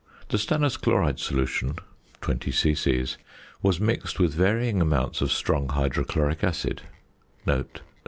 The stannous chloride solution (20 c.c.) was mixed with varying amounts of strong hydrochloric acid (sp.